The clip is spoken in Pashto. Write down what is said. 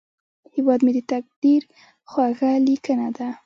هیواد مې د تقدیر خوږه لیکنه ده